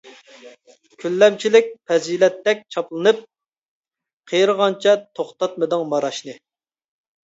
كۈنلەمچىلىك پەزىلەتتەك چاپلىنىپ، قېرىغانچە توختاتمىدىڭ ماراشنى.